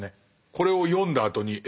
これを読んだあとにえ